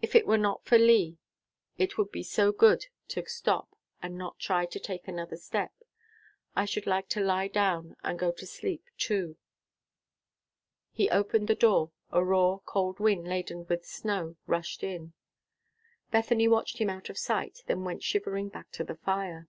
If it were not for Lee, it would be so good to stop, and not try to take another step. I should like to lie down and go to sleep, too." He opened the door. A raw, cold wind, laden with snow, rushed in. Bethany watched him out of sight, then went shivering back to the fire.